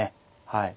はい。